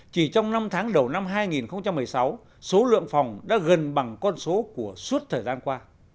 chỉ trong năm tháng đầu năm hai nghìn một mươi sáu số lượng phòng đã gần bằng con số của suốt thời gian qua